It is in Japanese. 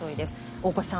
大越さん